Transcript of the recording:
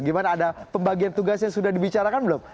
gimana ada pembagian tugasnya sudah dibicarakan belum